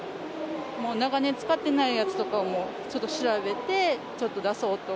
もう長年使ってないやつとかをちょっと調べて、ちょっと出そうと。